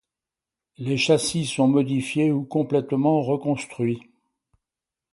Les châssis sont modifiés ou complètement reconstruits.